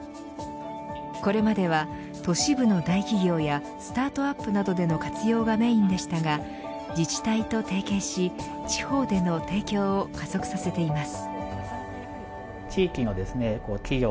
これまでは都市部の大企業やスタートアップなどでの活用がメーンでしたが自治体と提携し地方での提供を加速させています。